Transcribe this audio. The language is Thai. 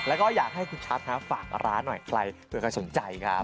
แล้วก็อยากให้คุณชัดฝากร้านหน่อยใครเผื่อใครสนใจครับ